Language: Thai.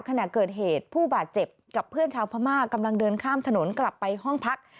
ขณะเกิดเหตุผู้บาดเจ็บกับเพื่อนชาวพม่ากำลังเดินข้ามถนนกลับไปห้องพัก